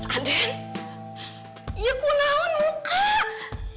aden kenaun kunaun bukan